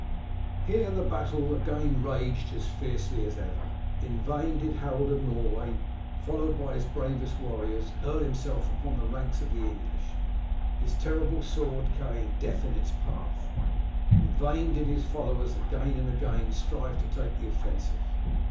Here the battle again raged as fiercely as ever. In vain did Harold of Norway, followed by his bravest warriors, hurl himself upon the ranks of the English, his terrible sword carrying death in its path. In vain did his followers again and again strive to take the offensive.